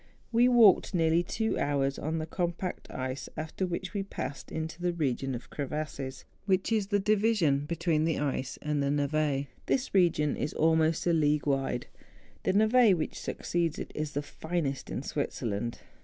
We walked nearly two hours on the compact ice, after which we passed into the region of crevasses, which is the division between the ice and the nevL This region is almost a league wide. The neve^ which succeeds to it, is the finest in Switzerland.